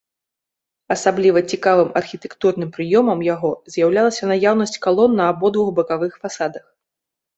Асабліва цікавым архітэктурным прыёмам яго з'яўлялася наяўнасць калон на абодвух бакавых фасадах.